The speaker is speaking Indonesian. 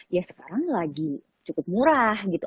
ya sekarang lagi cukup murah gitu